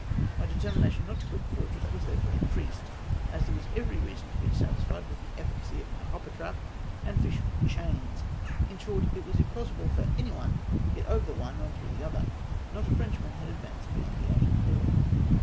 My determmation not to quit the fortress was therefore increased, as there was every reason to be satisfied with the efficacy of my hopper trap and fish hook chains. Li short, it was impossible for any one to get over the one or through the other. Not a Frenchman had advanced beyond the outer wall.